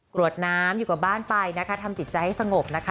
วดน้ำอยู่กับบ้านไปนะคะทำจิตใจให้สงบนะคะ